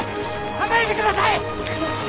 離れてください！